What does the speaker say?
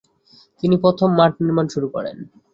তিনি প্রথম মাঠ নির্মাণ শুরু করেন।